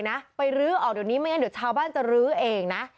นะไปลื้อออกเดี๋ยวนี้ไม่งั้นเดี๋ยวชาวบ้านจะลื้อเองนะ